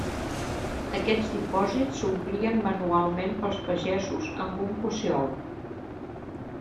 Aquests dipòsits s'omplien manualment pels pagesos amb un cossiol.